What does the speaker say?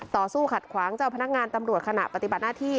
ต่อสู้ขัดขวางเจ้าพนักงานตำรวจขณะปฏิบัติหน้าที่